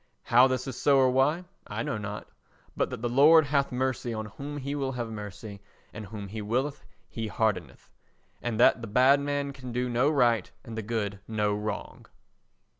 How this is so or why, I know not, but that the Lord hath mercy on whom He will have mercy and whom He willeth He hardeneth, and that the bad man can do no right and the good no wrong.